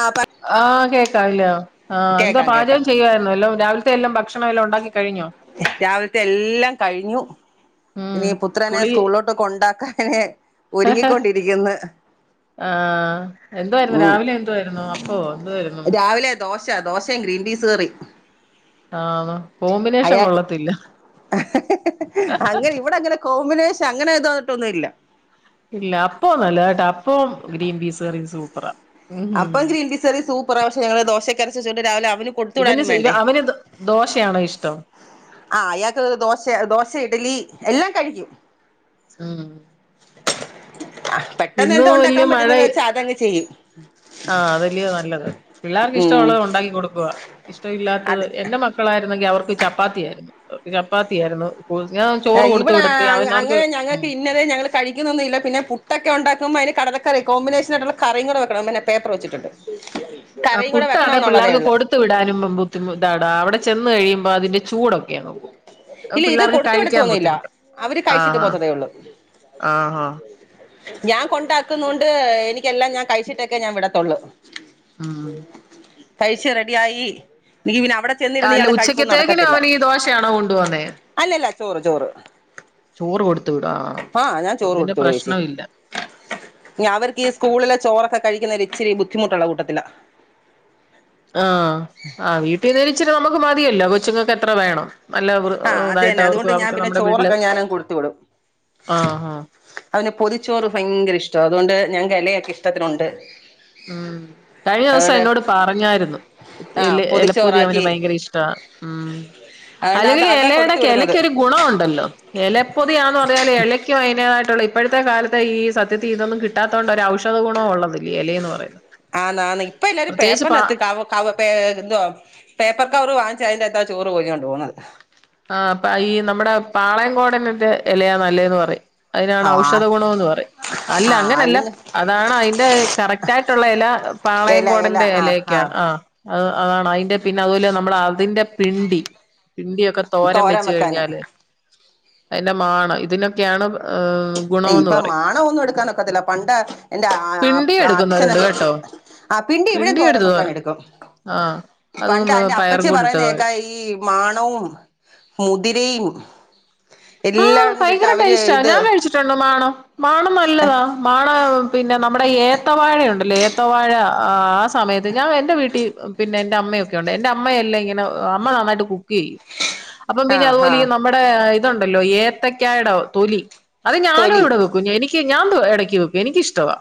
ആ പ ആഹ് കേക്കാംല്ല ആഹ് എന്താ കേക്കാം കേക്കാം പാചകം ചെയ്യായിുന്ന എല്ലാം രാവിലത്തെ എല്ലാം ഭക്ഷണ എല്ലാം ഉണ്ടാക്കി കഴിഞ്ഞോ രാവിലത്തെ എല്ലാം കഴിഞ്ഞു ഉം ഇനി പുത്രനെ കുളി സ്കൂളിലോട്ട് കൊണ്ടാക്കാൻ അനെ ഒരുങ്ങിക്കൊണ്ടിരിക്കുന്നു ആഹ എന്തായിരുന്നു രാവിലെ എന്ായിരുന്നു അപ്പോ എന്ായിരുന്നു രാവിലെ ദോശ ദോശയും ഗ്രീൻ പീസ് കറിയും ആഹ് കോമ്പിനേഷൻ അയാക്ക് കൊള്ളത്തില്ല അങ്ങനെ ഇവിടെ അങ്ങനെ കോമ്പിനേഷൻ അങ്ങനെ എതോ ട്ടൊന്നുല്ല ഇല്ല അപ്പ നല്ലതായിട്ടാ അപ്പ ഗ്രീൻ പീസ് കറീ സൂപ്പറാ ഉം അപ്പം ഗ്രീൻ പിസറി സൂപ്പുറ പക്ഷെങ്ങള് ദോശക്കരച്ചണ്ട് രാവില കൊടുത്ത ഇവന് വിടാനും ശ- വേണ്ട ഇവ- അവന് ദോ- ദോശയാണോ ഇഷ്ടം ആ അയാൾക്ക് ദോശ ദോഷ് ഇഡലി എല്ലാം കഴിക്കും ഹം പെട്ടെന്ന് ഇന്ന് എന്ദോ വല്യ ഉണ്ടാക്കാൻ പറ്റുന്നന്ന് മഴ വെച്ചാ അതങ്ങ് ചെയ്യും ആഹ് അദല്ലിയോ നല്ലത് പിള്ളേർക്ക് ഉം ഇഷ്ടമുള്ളത് ഉണ്ടാക്കി കൊടുക്കുക ഇഷ്ടമല്ലാത്തത് അതെ എന്റെ മക്കളായിരുന്നെങ്കിൽ അവർക്ക് ചപ്പാത്തി ആയിരുന്നു ചപ്പാത്തി ആയിരുന്നു ഇവിടെ അങ്ങനെ ഉം ഞങ്ങക്ക് ഇന്നദെ ഞങ്ങള് കഴിക്കുന്നൊന്നുല്ല പിന്നെ പുട്ടൊക്കെ ഇണ്ടാക്ക അതിന് കടലക്കറി കോമ്പിനേഷൻ ആയിട്ടുള്ള കറിയും വെക്കണം. പിന്നെ പേപ്പർ വെച്ചിട്ട് ആ പുട്ടാണെ പിള്ളേർക്ക് കൊടുത്തു വിടാനും ബുദ്ധിമു ഇതാടാ അവിടെ ചെന്ന് കഴിയുമ്പോ അതിന്റെ ചൂടൊക്കെ പിള്ളേർക്ക് കയി തോന്നില്ല അവര് കഴിച്ചിട്ട് പോത്തതേ ഉള്ളൂ ആഹ് ആഹ് ഞാൻ കൊണ്ടാക്കുന്നു കൊണ്ട് എനിക്കെല്ലാം ഞാൻ കഴിച്ചിട്ടക്കെ ഞാൻ വിടത്തുള്ളു. ആഹ കഴിച് റെഡിയായി എനിക്ക് പിന്നെ അവിടെ ചെന്നിരുന്ന് അല്ല ഇയാളെ കഴിപ്പൊന്നും ഉച്ചക്കത്തേക്കിനും നടക്കത്തില്ല അവന് ഈ ദോശയാണോ കൊണ്ടുവന്നേ അല്ലല്ല ചോറ് ചോറ് ചോറ് കൊടുത്തു വിടാ ആ അപ്പ പ്രശ്നവില്ല. ഇ അവർക്ക് ഈ സ്കൂളിലെ ചോറൊക്കെ കഴിക്കുന്ന ഇച്ചിരി ബുദ്ധിമുട്ടുള്ള കൂട്ടത്തില ആഹ് ആ വീട്ടിന്നിരിച്ചിട്ട് നമുക്ക് മതിയല്ലോ കൊച്ചുങ്ങൾക്ക് എത്ര വേണം നല്ല വൃ ആഹ് അത് ഇതായിട്ട് തന്നെ അവർക്ക് അതുകൊണ്ട് ഞാൻ അവർക്ക് പിന്നെ നമ്മുടെ വീട്ടില് ചോറൊക്കെ ഞാനങ്ങ് കൊടുത്ത് വിടും. ആഹ് ആഹ് അവന് പൊതിച്ചോറ് ഭയങ്കര ഇഷ്ട. അതുകൊണ്ട് ഞാൻ ഇലയൊക്കെ ഇഷ്ടത്തിനുണ്ട്. ഉം കഴിഞ്ഞ ദിവസം അതുകൊണ്ട് എന്നോട് പറഞ്ഞായിരുന്നു ഇ ആഹ് എലപ്പോതി അവന് പൊതിച്ചോറാക്കി ഭയങ്കര ഇഷ്ട മ് അതുകൊണ്ട് അല്ലെങ്കി അത് അതാ ഇലയുടെ കൊടുത്തു വിടുന്നത് ഇലക്കൊ ഒരു ഗുണണ്ടല്ലോ ഇലപ്പൊതിയാണന്ന് പറഞ്ഞാല് ഇലക്ക അതിന [unintelligible] ട്ട ഇപ്പോഴത്തെ കാലത്തെ ഈ സത്യത്തി ഇതൊന്നും കിട്ടാത്തോണ്ടാഔഷധ ഗുണോ ഒള്ളത് ഇലയന്ന് പറയുന്നത്. ആന്‌ ആ ന് ഇപ്പൊ എല്ലാരും പ്രത്യേകിച്ച് പാ പാപ്പറിനകത്ത് കവ കവ ഏ എന്ത പേപ്പർക്ക് ക്കവര് വാങ്ങിച്ച് അതിന്റത്താ ചോറ് പൊയി ഞ്ഞോണ്ട് പോവുന്നെ. ആ അപ്പ ഈ നമ്മടെ പാളയംകോടൻറെ ഇലയാ നല്ലേന്ന് പറയും. അതിനാണ് ആഹ് ഔഷധ ഗുണോന്ന് പറയും. അല്ല അങ്ങനെയല്ല ആഹ് അതാണ് അതിന്റെ കറക്റ്റ് ആയിട്ടുള്ള ഇല എല എല പാളയംകോടന്റെ ആഹ് ഇലയൊക്കെയാണ്. ആഹ് ആ അ അതാണ് അതിന്റെ പിന്നെ അതുപോലെ നമ്മുടെ അതിന്റെ പിണ്ടി. തോരം തോരൻ വെച്ച് വെക്കാന് കഴിഞ്ഞാല് അതിന്റെ മാണ് ഇതിനൊക്കെയാണ്. ഗുണോന്ന് ഇപ്പൊ പറയും മാണ ഒന്നും എടുക്കാനൊക്കത്തില്ല പണ്ട് എന്റെ അ പിണ്ടി അ അച്ഛന എടുക്കുന്നവരുണ്ട് കേട്ടോ ആ പിണ്ടി ഇവിടെ തോരം എടുത്ത് വെക്കാൻ തോരൻ എടുക്കും. ആ അതും പണ്ട് എന്റെ പയറും അപ്പച്ചി കൂടി ഇട്ട തോരൻ പറയുന്നേക്കാ ഈ മാണവും. മുതിരയും എല്ലാം കൂടിയിട്ട് അവര് ഇത് ഇഷ്ടണ്ടോ മാണം? മാണം നല്ലതാ മാണ പിന്നെ നമ്മുടെ ഏത്തവാഴയുണ്ടല്ലോ ഏത്തവാഴ ആ് ആ സമയത്ത് ഞാൻ എന്റെ വീട്ടീ പിന്നെ എന്റെ അമ്മയൊക്കെ ഉണ്ട് എൻന്റെ അമ്മയെല്ലം ഇങ്ങെനെ അമ്മ നന്നായിട്ട് കുക്ക് ചെയ്യും. അപ്പം പിന്നെ ആഹ് അതുപോലെ ആഹ് നമ്മുടെ ഇതുണ്ടല്ലോ ഏത്തക്കായുടെ തൊലി. അത് ഞാനും തൊലി ഇവിടെ വെക്കും എനിക്ക് ഞാൻ ഇടക്ക് വെക്കും എനിക്ക് ഇഷ്ടവാ.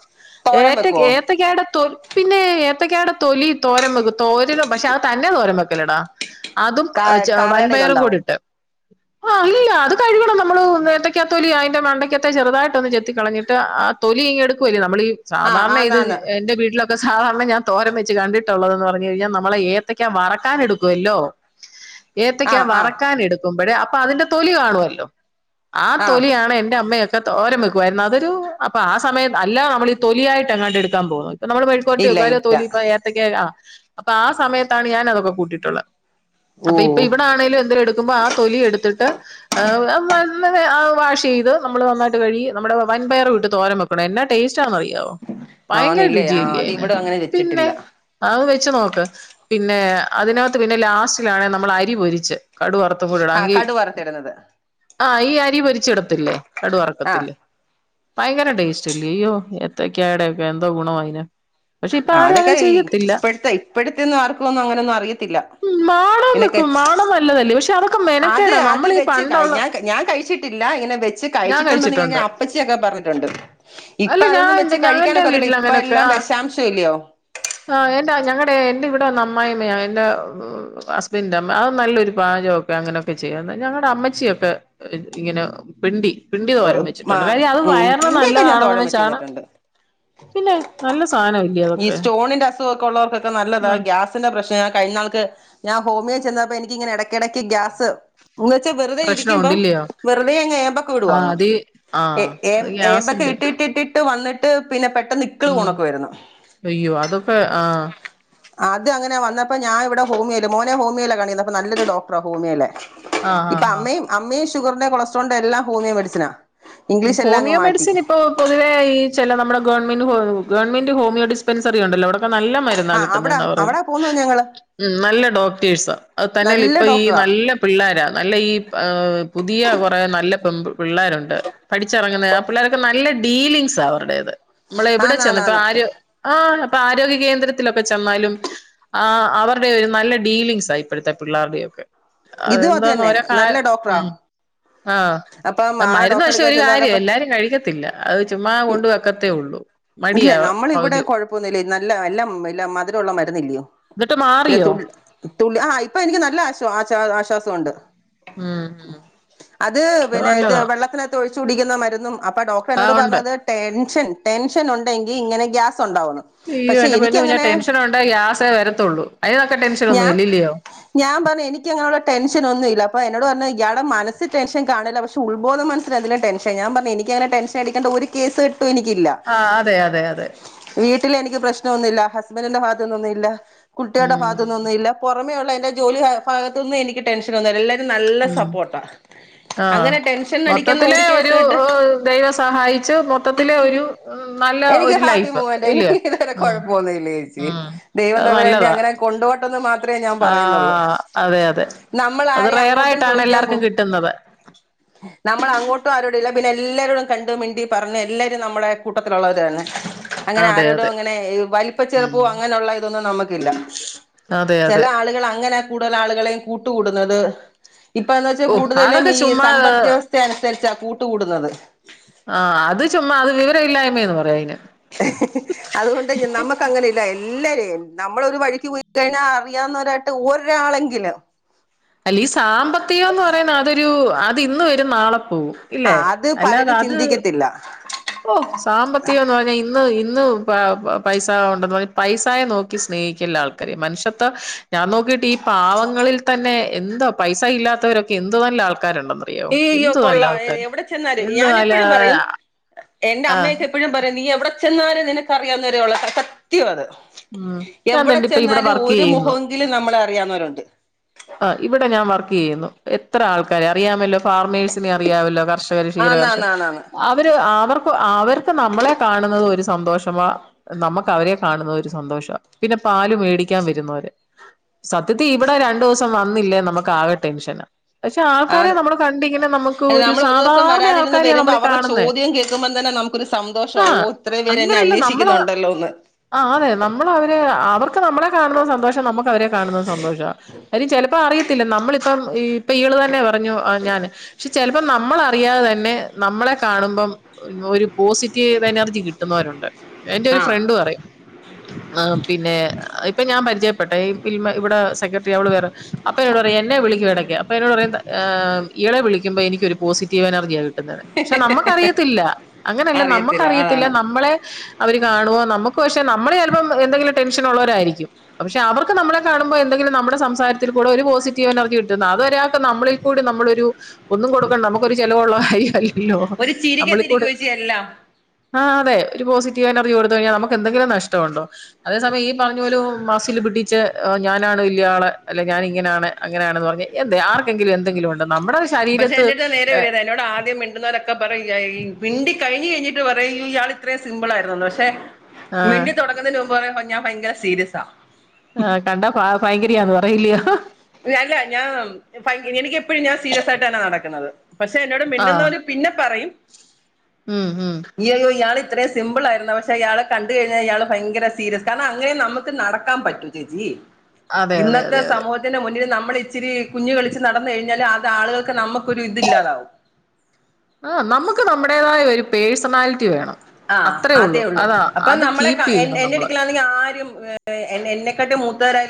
തോരൻ ഏത വെക്കുവോ ഏത്തക്കാടെ തൊ പിന്നെ ഏത്തക്കാടെ തൊലി തോരം വെക്കും. തോരനും പക്ഷെ അത് തന്നെ തോരൻ വെക്കലെടാ അതും ക ച കറയുടെ വൻപയറും കൂടി ഇതുണ്ടാവും ഇട്ട്. ആഹ് ഇല്ലല്ല അത് കഴുകണം നമ്മള്. ഒന്നേത്തക്കാ തൊലിതിന്റെ മണ്ടയ്ക്കത്തെ ചെറുതായിട്ട് ഒന്ന് ചെത്തി കളഞ്ഞിട്ട് ആ തൊലി ഇങ്ങെടുക്കുവല്ലേ നമ്മൾ ഈ ആഹ് സാധാരണ ഇത് ആന്നാന്ന് എന്റെ വീട്ടിലൊക്കെ സാധാരണ ഞാൻ തോരൻ വെച്ച് കണ്ടിട്ടുള്ളതെന്ന് പറഞ്ഞു കഴിഞ്ഞാ നമ്മടെ ഏത്തയ്ക്കാ വറക്കാനെടുക്കുവല്ലോ ഏത്തക്കാ ആഹ് ആഹ് വറക്കാൻ എടുക്കുമ്പോഴേ അപ്പൊ അതിന്റെ തൊലി കാണുവല്ലോ. ആ ആഹ് തൊലിയാണ് എന്റെ അമ്മയൊ തോരം വെക്കുമായിരുന്നു അതൊരു അപ്പൊ ആ സമയം അല്ല നമ്മള് ഈ തൊലിയായിട്ടെങ്ങാണ്ട് എടുക്കാന്നു തോന്നണ് പ്പ നമ്മള് മെഴുക്കു വെരട്ടി ഇല്ല വെക്കും അതിലെ ആ ഇല്ല തൊലി ഏത്തക്ക ആ അപ്പൊ ആ സമയത്താണ് ഞാനതൊ ക്കെ കൂട്ടിയിട്ടുള്ള. ഓ അപ്പൊ ഇപ്പ ഇവിടെ ആണെലും എന്തേലും എടുക്കുമ്പോ ആ തൊലി എടുത്തിട്ട്. അങ്ങനെ ആ വാഷ് ചെയ്ത് നമ്മൾ നന്നായിട്ട് കഴുകി നമ്മുടെ വൻപയർ വിട്ട് തോരൻ വെക്കണം എന്നാ ടേസ്റ്റ്. ന്നറിയാവോ ഭയങ്കര ആന്നില്ലേ രുചിയ ആഹ് ല്ലേ അത് അയിന് ഇവിടെ അങ്ങനെ പിന്നെ വെച്ചിട്ടില്ല വെച്ച് നോക്ക് പിന്നെ അതിനകത്ത് പിന്നെ ലാസ്റ്റിലാണ് നമ്മൾ അരി പൊരിച്ച്. കടു വറുതു ആഹ് കൂടിടാങ്കി. കടു വറുത്തിടുന്നത് ആ ഈ അരി പൊരിച്ചിടത്തില്ലേ ആഹ് കടുവറക്കത്തില്ലേ? ഭയങ്കര ടേസ്റ്റ് ഇലയോ അയ്യോ എത്തക്കടക്കെ എന്തോ ഗുണവാ അയിന്. അതൊക്കെ ഇപ്പടുത്തെ ഇപ്പഴെത്തൊന്നും ആർക്കും ഒന്നും അങ്ങനൊന്നും അറിയത്തില്ല. മാണ നിക്കും ഇതിനൊക്കെ മാണണം നല്ലതല്ലേ പക്ഷെ അതൊക്കെ അത് മെനക്കേടാ അത് നമ്മളീ ഞാൻ കഴിച്ചിട്ടില്ല ഇങ്ങനെ വെച്ച് ഞാൻ കഴിച്ചിട്ടു െണ്ട ന്ന് കഴിച്ചിട്ടുണ്ട് അപ്പച്ചിയൊക്കെ പറഞ്ഞിട്ടുണ്ട്. ഇപ്പൊ അല്ല ഞാൻ അതൊന്നും എന്റെ വെച്ച് ഞങ്ങന്റെ കഴിക്കാനൊക്കത്തില്ല ഇപ്പ എല്ലാം വിഷാംശ ഇല്ലയോ? ആഹ എന്താ ഞങ്ങ എന്റെറെ ഇവിടെ അമായി യമ്മ എന്റെ ഹസ്ബൻഡിന്റെ അമ്മ അത് നല്ലൊരു പാചകൊക്കെ അങ്ങനെയൊക്കെ. ചെയ്യ ഞങ്ങ അമ്മച്ചിയൊക്കെ ഇങ്ങനെ പിണ്ടി. പിണ്ടി തോരം വെച്ചിട്ടുണ്ട് കാര്യം അത് ഉം പിന്നെയൊക്കെ ഞാൻ വയറിന്ന്നല്ലതാണെന്ന് തോഴൻ വെച്ച് വെച്ചാണ്. തിന്നിട്ടുണ്ട് പിന്നെ നല്ല സാധന ഈ സ്റ്റോണിന്റെ അസുഖാ ക്കെള്ളവർക്കൊക്കെ നല്ലതാ ആ ഗ്യാസിന്റെ പ്രശ്ന കഴിഞ്ഞുന്നാൾക്ക് ഞാൻ ഹോമിയോ ചെന്നപ്പോ എനിക്കിങ്ങനെ ഇടയ്ക്കിടയ്ക്ക് ഗ്യാസ്. ഇന്ന്ച്ചാ വെറുതെ പ്രശ്നം ഇരിക്കുമ്പം ഉണ്ടില്ലയോ വെറുതെഅങ്ങ് ഏമ്പൊക്കെ ആ വിടുവാങ്ങ്. അത് ആ എഏ അത് ഏമ്പക്കം ഗ്യാസിന്റെ ഇട്ടിട്ട് ഇട്ടിട്ട് വന്നിട്ട് പിന്നെ ഉം അയ്യോ അതൊക്കെ ആഹ് അത് അങ്ങനെ വന്നപ്പം ഞാൻ ഇവിടെ ഹോമിയോല് മോനെ ഹോമിയോയില കാണിക്കുന്നെ അപ്പം നല്ലൊരു ഡോക്റാ ഹോമിയോയിലെ ആ ആ ഇപ്പം ആ അമ്മയും അമ്മയും ഷുഗറിന്റെ കൊളസ്ട്രോളിന്റെ എല്ലാം ഹോമിയോ മെഡിസിനാ ഇംഗ്ലീഷ് എല്ലാം അങ്ങ് ഹോമിയോ മാറ്റി മെഡിസിൻ ഇപ്പൊ പൊതുവെ ഈ ചെല ഈ നമ്മുടെ ഗവൺമെന്റ് ഹോ ഗവൺമെന്റ് ഹോമിയോ ഡിസ്പെൻസറി ഉണ്ടല്ലോ അവിടൊക്കെ നല്ല മരുന്നാ ആ അവിടാ കിട്ടുന്നേന്ന പറയുന്നെ അവിടാ പോന്നത് ഞങ്ങള് ഉം നല്ല ഡോക്ടേഴ്സാ അത് തന്നല്ല നല്ല ഇപ്പം ഈ ഡോക്ടറാ നല്ല പിള്ളോര നല്ല ഈ ആ പുതിയ കൊറേ നല്ല പെമ്പ് പിള്ളേരുണ്ട് പഠിച്ചെറങ്ങുന്നെ ആ പിള്ളേരൊക്കെ നല്ല ഡീലിങ്സാ അവരുടേത് നമ്മൾ എവിടെ ആന്ന് ചെന്ന് ആന്ന് ഇപ്പം ആന്ന് ആര് ആ ഇപ്പം ആരോഗ്യ കേന്ദ്രത്തിലൊക്കെ ചെന്നാലും ആ അവരുടെ ഒരു നല്ല ഡീലിംഗ്സാ ഇപ്പഴ്ത്തെ പിള്ളാർടേത് ഇതും അത് അതെന്താന്നോ തന്നെ ഓരോ നല്ല ഡോക്ടറാ ഉം അപ്പം ആഹ് ആ മരുന്ന് ഡോക്ടറെ പക്ഷെ എടുക്കാൻ ഒരു ചെന്ന് കാര്യം പറഞ്ഞപ്പ എല്ലാരും കഴിക്കത്തില്ല അത് ചുമ്മാ കൊണ്ട് വെക്കത്തേ ഉള്ളൂ മടിയ പകുതി നില് നല്ല എല്ലാം ഇല്ല മധുരം ഉള്ള മരുന്ന് എന്നിട്ട് മാറിയോ തുള്ളി ആ ഇപ്പം എനിക്ക് നല്ല ആശ് ആശാ ആശ്വാസം ഉണ്ട് ഉം ഉം അത് പിന്നെ ഇത് വെള്ളത്തിനാത്ത് ഒഴിച്ചു കുടിക്കുന്ന മരുന്നും അപ്പം ഡോക്ടർ എന്നോട് ആഹ് ഉണ്ട് പറഞ്ഞത് ടേൻഷൻ ടെൻഷൻ ഉണ്ടെങ്കി ഇങ്ങനെ ഗ്യാസ് ഉണ്ടാവുന്നു അയ്യോ പക്ഷെ എന്റെ പൊന്നോ ഞാൻ എനിക്കങ്ങനെ ടെൻഷൻ ഒണ്ടേ ഗ്യാസേ വരത്തുള്ളൂ അയിനൊക്കെ ടെൻഷൻ ഞാ ഒന്നും ഇല്ല ഇല്ലിയോ ഞാൻ പറഞ്ഞു എനിക്ക് ടെൻഷൻ ഒന്നും ഇല്ല അപ്പ എന്നോട് പറഞ്ഞു ഇയാളെ മനസ്സിൽ ടെൻഷൻ എനിക്കങ്ങനെ ടെൻഷൻ അടിക്കണ്ട ഒരു കേസു കെട്ടും എനിക്കില്ല ആഹ് അതെ അതെ അതെ വീട്ടിൽ എനിക്ക് പ്രശ് പ്രശ്നൊന്നും ഇല്ല ഹസ്ബൻ്റിന്റെ ഭാഗത്ത്ന്നൊന്നും ഇല്ല കുട്ടികളുടെ ഉം ഭാഗത്ത്ന്നൊന്നും ഇല്ല പുറമേ ഉള്ള എന്റെ ജോലി കാ ഭാഗത്തുനിന്നും എനിക്ക് ടെൻഷൻ ഒന്നും ഇല്ല എല്ലരും നല്ല ഉം സപ്പോർട്ടാ ആഹ് അങ്ങനെ ടെൻഷൻ അടിക്കുന്ന മൊത്തത്തിലേ കേസ് ഒരു കെട്ട് ദൈവം സഹായിച്ച് മൊത്തത്തിലേ ഒരു നല്ല എനിക്ക് ഒരു ഹാപ്പി ലൈഫ് മൂമെന്റ് ഇല്ലിയോ എനിക്ക് ഇതുവരെ ഉം കുഴപ്പമൊന്നുമില്ല ചേച്ചി അത് നല്ലതാ അത്രേ ഞാൻ പറയുന്നുള്ള് ആഹ് അതെ അതെ നമ്മൾ അത് ആരെയും അങ്ങോട്ടും റെയറായിട്ടാണ് ചോദിക്കാൻ പോ എല്ലാർക്കും കിട്ടുന്നത് നമ്മൾ അങ്ങോട്ടും ആരോടില്ല പിന്നെ എല്ലരോടും കണ്ട് മിണ്ടി പറഞ്ഞു എല്ലരും നമ്മടെ കൂട്ടത്തിലുള്ളവര് തന്നെ അങ്ങനെ അതെ ആരോടും അതെ അങ്ങനെ വലിപ്പ ഉം ചെറുപ്പോ അങ്ങനെ ഉള്ള ഇതൊന്നും നമ്മക്കില്ല അതെ ചെല അതെ ആളുകൾ അങ്ങനെ കൂ കൂടുതൽ ആളുകളെയും കൂട്ടുകൂടുന്നത് ഇപ്പം എന്ന് വെച്ചാ ഓ കൂടുതലും അതൊക്കെ ഈ ചുമ്മാ സമ്പത്ത് വ്യവസ്ഥ അനുസരിച്ച കൂട്ട് കൂടുന്നത് ആ അത് ചുമ്മാ അത് വിവര ഇല്ലായ്മേന്ന് പറയും അയിനെ അതുകൊണ്ട് നമ്മക്ക് അങ്ങനെ ഇല്ലാ എൽ എല്ലരെയും നമ്മൾ ഒരു വഴിക്ക് പോയി കഴിഞ്ഞാ അറിയാവുന്നവരായിട്ട് ഒരാളെങ്കില് അല്ല ഈ സാമ്പത്തികംന്ന് പറയുന്ന അതൊരു അത് ഇന്ന് വരും നാളെ പോവും ആ ഇല്ലേ അത് അല്ലാതെ പലരും അത് ചിന്തിക്കത്തില്ല ഓ സാമ്പത്തികം എന്ന് പറഞ്ഞാ ഇന്ന് ഇന്നും പല പൈസാ ഉണ്ടെന്ന് പറഞ്ഞ് പൈസായെ നോക്കി സ്നേഹിക്കില്ല ആൾക്കാര് മനുഷ്വത്ത ഞാൻ നോക്കിട്ട് ഈ പാവങ്ങളിൽ തന്നെ എന്തോ പൈസ ഇ ആൾക്കാരുണ്ടെന്നറിയവോ ഈയ്യോ എന്ത് നല്ല കൊള്ളാം ആൾക്കാര് എവിടെ ചെന്നാല് എന്ത് ഞാൻ നല്ല എപ്പോഴും പറയും എന്റെ ആഹ് അമ്മയൊക്കെ എപ്പഴും പറയും നീ എവിടെ ചെന്നാലും നിനക്ക് അറിയാവന്നോരേ ഉള്ള് സത്യാ അത് ഉം ഞാൻ എവിടെ ദാണ്ടെ ഇപ്പൊ ഇവിടെ ചെന്നാലും വർക്ക് ഒരു ചെയ്യുന്നു മുഖോങ്കിലും നമ്മളെ അറിയുവുന്നോരുണ്ട് ആ ഇവിടെ ഞാൻ വർക്ക് ച്ചിനെ അറയാവല്ലോ കർഷകര് ആന്ന് ക്ഷീരകർഷ ആന്ന് ആന്ന് ആന്ന് അവര് അവർക്ക് അവർക്ക് നമ്മളെ കാണുന്നത് ഒരു സന്തോഷമാ നമുക്ക് അവരെ കാണു സന്തോഷവാ പിന്നെ പാല് മേടിക്കാൻ വരുന്നോര് സത്യത്തിൽ ഇവിടെ രണ്ടു ദിവസം വന്നില്ലേ നമുക്ക് ആകെ ടെൻഷനാ പക്ഷെ ആൾക്കാരെ ആന്ന് നമ്മള് കണ്ടിങ്ങനെ നമുക്ക് അല്ല ഒരു നമ്മൾ ദിവസം സാധാരണ വരാതിരുന്ന് ആൾക്കാരെയാ വരുമ്പോ നമ്മളീ അവരുടെ കാണുന്നെ ചോദ്യം കേൾക്കുമ്പോം തന്നെ നമുക്കൊരു സന്തോഷവാ ഓ ഇത്രയും പേര് എന്നെ നമ്മള് അന്വേഷിക്കുന്നുണ്ടല്ലോന്ന് ആ അതെ നമ്മൾ അവരെ അവർ നമ്മള കാണുന്ന സന്തോഷം നമുക്ക് അവരെ കാണുന്ന സന്തോഷമ. അയ്ന്, ചിലപ്പോ അറിയത്തില്ല. നമ്മളിപ്പം ഇപ്പ ഈ അത്‌ തന്നെ കുറഞ്ഞു കുറഞ്ഞല്ല് ചിലപ്പോം നമ്മളറിയാതെ തന്നെ, നമ്മളെ കാണുമ്പം, ഒരു പോസിറ്റീവ് എനർജി കിട്ടുന്നവരുണ്ട്. എന്റെ ഒരു ആഹ് ഫ്രണ്ട് പറയും പിന്നെ ഇപ്പൊ ഞാൻ പരി [unintelligible] ഇവിടെ സെക്രട്ടറി അവള് വറെ അപ്പൊ എന്നോട് പറയാ എന്നെ വിളി കടക്കെ അപ്പൊ എന്നോട് പറ ഇയാളെ വിളിക്കുമ്പോ എനിക്ക് ഒരു പോസിറ്റീവ് എനർജിയാ കി ക്ഷെ നമ്മുക്കറിയത്തില്ല അങ്ങനെയല്ല അറിയത്തില്ല നമ്മുക്കറിയത്തില്ല അതാണ് നമ്മളെ. അവര് കാണുമോ നമുക്ക് പക്ഷെ നമ്മളെ ഇപ്പം എന്തെങ്കിലും ടെൻഷൻ ഉളവരയിരിക്കുംപക്ഷെ അവർക്ക് നമ്മളെ കാണുമ്പോ എന്തെങ്കിലും നമ്മുടെ സംസാരത്തിൽ കൂടെ ഒരു പോസിറ്റീവ്. എനർജി കിട്ടുന്ന അത് ഒരാൾക്ക് നമ്മളിൽ കൂടി നമ്മളൊരു ഒന്നും കൊടുക്ക നമുക്കൊരു ചെലവൊള്ള കാര്യല്ലല്ലോ ഒരു ചിരിക്കത്തിരിക്കും നമ്മളികൂടെ ചേച്ചി എല്ലാം ആഹ അതെ ഒരു പോസിറ്റീവ് എനർജി കൊടുത്ത കഴിഞ്ഞൽ, നമുക്ക് എന്തെിലും നഷ്ടമുണ്ടോ? അതേ സമയ ഈ പറഞ്ഞ പോല മസ്സിൽ പിട്ടി. ച്ച് ഞാനാണ് വല്യ ആള് അല്ലേ ഞാൻ ഇങ്ങനണ് അങ്ങനെയണന്ന് പറഞ് എന്ത്‌ ആർക്കെങ്കിലും എന്തെങ്കിലും ഒ പക്ഷെ എന്റെടു നേരെ വര എന്നോട് ആദ്യം മിണ്ടുന്നവരൊക്കെ പറയായി മിണ്ടി കഴിഞ്ഞ് കഴിഞ്ഞിട്ട് പറയും ഇയോ ഇയാൾ ഇത്രം സിമ്പിൾ ആരുന്നുന്ന് പക്ഷെ ആഹ് മിണ്ടിതുടങ്ങുന്ന പറയുമ്പോ ഞാൻ ഭയങ്കര സീരിയസാ ആഹ കണ്ടാ പ ഭയങ്കരയാന്ന് പറയല്ലോ. അല്ല ഞാൻ [unintelligible] എനിക് എപ്പോഴും ഞാൻ സീരിയസ് ആയിട്ടന്ന നടക്കുന്നത്. പക്ഷെ എന്നോട് ആഹ് മിണ്ടെന്നോര്, പിന്നെ പറയും ഉം ഉം അയയ്യോ ഇയാള് അത്രയും സിമ്പിൾ ആയിരുന്നു. പക്ഷെ അയാളെ കണ്ട കഴിഞ്ഞാൽ, ഇയാൾ ഭയങ്കര സീരിയസ്, അങ്ങനെ നമുക്ക് നടക്കാൻ പറ്റൂ ചേച്ചി. അതെ അതെ അതെ. മുന്നില് നമ്മള് ഇച്ചിരി കുഞ്ഞു കളിച്ച് നടന്നു കഴിഞ്ഞാല് അത് ആളുകൾക്ക് നമ്മക്കൊരു ഇതില്ലാതാവും. ആഹ് നമ്മക്ക് നമ്മുടേതായ ഒരു പേഴ്സണാലിറ്റി വേണം. ആ് അത്രേ അതേ ഉള്ളൂ ഉള്ളു അതാ അപ്പൊ അത് നമ്മളെ കീപ്പ് ചെയ്യണം നമ്മള് എറടക്കലാന്നെങ്കിൽ ആരും എന്നെക്കട്ട്.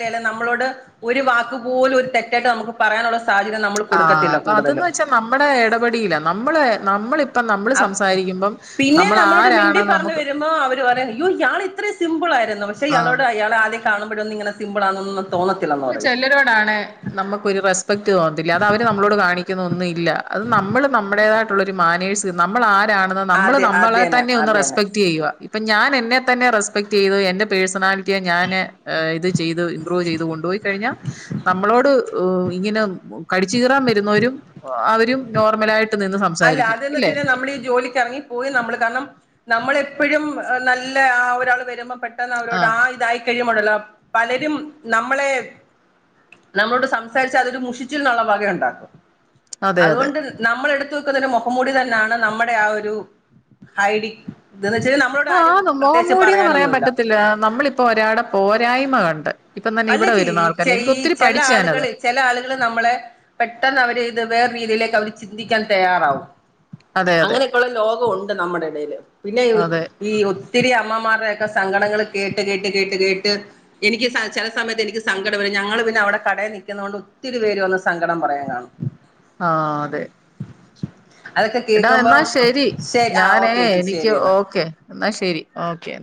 അല്ല നമ്മളോട് ഒരു വക് പോല ഒരു തെറ്റായിട്ട് നമുക്ക് പറയാനുള്ള സാഹചര്യം നമ്മൾ ആ കൊടുക്കത്തില്ല അതന്ന് കൂടുതലും വെച്ചാ നമ്മുടെ ഇടപെടിയില്ല നമ്മള് നമ്മളിപ്പ നമ്മള് അപ് സംസാരിക്കുമ്പം. പിന്നെ. നമ്മൾ നമ്മളോട് മിണ്ടി ആരാണ് പറഞ്ഞു നമുക്ക് വരുമ്പോ അവർ പറയാ. ഇയാൾ ഇത്രയും സിമ്പിൾ ആയിരുന്നു പക്ഷെ ആഹ് ഇയാളോട് അയാൾ ആദ്യ കാണുമ്പഴോും ഇങ്ങന സിമ്പിൾണന്ന്. അ ചല്ലരോടാണ് നമുക്കരു. റെസ്പെക്ട് തോന്നുന്നല്ല അത അവര് നമ്മളോട് കാണിക്കുന്ന, ഒന്നും ഇല്ല നമ്മൾ നമ്മുേതായിട്ടുള്ളരു മാനേഴ് നമ്മൾ ആരാണെന്ന് നമ്മൾ അതെ അത് നമ്മളെ തന്നെ ഒന്ന് അത് റെസ്പെക്ട് ചെയ്യുക. അപ്പൊ ഞാൻ എന്നെ തന്നെ റെസ്പെക്ട് ചെയ്ത് എന്റെന്റെ പേഴ്സണാലിറ്റിയെ ഞാന് ഇത് ചെയ്ത് ഇമ്പ്രൂവ് ചെയ്തുകൊ പോയി കഴിഞ്ഞാ നമ്മളോട് ഏഹ് ഇങ്ങനെ, കടിച്ചു കീറാൻ വരുന്നവരും അവരും നോർമലായിയി അല്ല അത് ന്ന് വെച്ച് കഴിഞ്ഞാ നമ്മൾ ഈ ജോലിക്ക് എറങ്ങിപ്പോയി നമ്മള് കാരണം നമ്മളെപ്പ് എപ്പോഴും. നല്ല ആ ഒരാൾ വരുമ്പോൾ പെട്ടെന്ന് അവരോട് ആ ഇതായി. കഴിയുമ്പൊണ്ടല്ലോ പലരും നമ്മളെ നമ്മളോട് സംസാരിച്ചാ അതൊരു മുഷിച്ചിൽന്നൊള്ള വകയൊണ്ടാക്കും അതെ അതെ അതുകൊണ്ട് നമ്മളെടു [unintelligible] ക്കുന്ന ഒരു മുഹമ്മൂടി തന്നെയാണ്. നമ്മുടെ ആ ഒരു ഹൈഡി. ഇതന്ന് വെച്ചാൽ നമ്മളോട് ആഹ് ആ ആരും ന്ന് മൊഖം പ്രത്യേകിച്ച് മൂടിന്ന് പറയാൻ പറയാനൊന്നുമില്ല പറ്റത്തില്ല നമ്മളിപ്പോ ഒരാടെ പോരായ്മ കണ്ട്. ഇപ്പം തന്നെ അല്ല ഇവിടെ ചി വരുന്ന ആൾക്കാരെ എനിക്ക് ഈ [unintelligible] ഒത്തിരി ചില പഠിച്ചു ഞാനത് ആളുകൾ ചില ആളുകൾ നമ്മളെ പെട്ടെന്ന് അവര് ഇത് വേറെ രീതിയിലേ അവര് ചിന്തിക്കാൻ തയ്യാറാവും. അതെ അതെ അങ്ങനെയൊക്കെയുള്ള ലോകൊണ്ട് നമ്മടെ എടേല് പിന്നെ [unintelligible] അതെ ഈ ഒത്ത് ഒത്തിരി അമ്മമാരുടെൊക്കെ സങ്കടങ്ങൾ കേട്ട് കേട്ട് കേട്ട് കേട്ട് എനിക്ക് [unintelligible] ചെ. [unintelligible] സമയത്ത്എനിക്ക് സങ്കടം വരും ഞങ്ങള് പിന്നെ അവിടെ കടേ നിക്കുന്നകൊണ്ട് ഒത്തിരി പേര് വന്ന് സങ്കടം പറയാൻ കാണും ആഹ അതെ. അതൊക്കെ ഇടാ എന്നാ കേൾക്കുമ്പം ശരി ശരി ആ ഞാനേ ഓക്കെ ചേച്ചി എനിക്ക് ശരി എന്നാ ഓക്കെ എന്നാ ശരി ഓക്കേ.